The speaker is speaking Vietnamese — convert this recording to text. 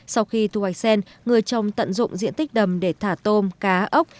sau khi thu hoạch sen người trồng tận dụng diện tích đầm để thả tôm cá ốc